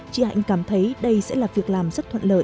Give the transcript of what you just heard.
chị hạnh cảm thấy đây sẽ là việc làm rất thuận lợi